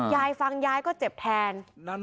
ยายฟังยายก็เจ็บแทน